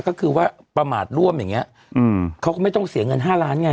ก็คือว่าประมาทร่วมอย่างเงี้ยอืมเขาก็ไม่ต้องเสียเงิน๕ล้านไง